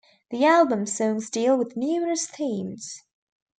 The album's songs deal with numerous themes.